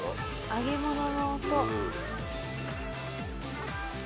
揚げ物の音。